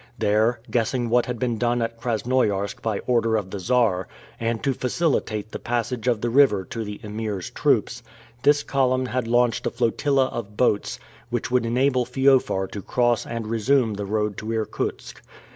There, guessing what had been done at Krasnoiarsk by order of the Czar, and to facilitate the passage of the river to the Emir's troops, this column had launched a flotilla of boats, which would enable Feofar to cross and resume the road to Irkutsk.